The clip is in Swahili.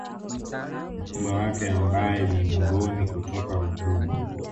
Mchumba wake ambaye ni Mngoni kutoka Ruvuma